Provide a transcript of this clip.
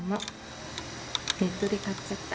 ネットで買っちゃった。